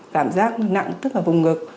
cảm giác nặng tức là vùng ngực